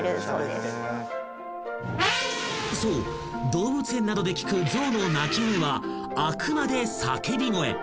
［そう動物園などで聞くゾウの鳴き声はあくまで］